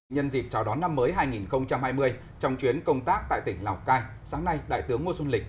nhân dịp chào đón năm mới hai nghìn hai mươi trong chuyến công tác tại tỉnh lào cai sáng nay đại tướng ngô xuân lịch